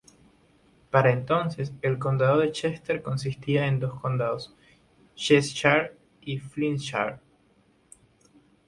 Para entonces, el condado de Chester consistía en dos condados: Cheshire y Flintshire.